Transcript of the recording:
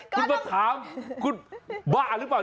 คุณมาถามคุณบ้าหรือเปล่า